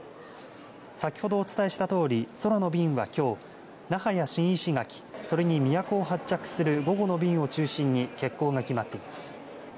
先ほどお伝えしたとおり空の便はきょう、那覇や新石垣それに宮古を発着する午後の便を中心に欠航が決まっています。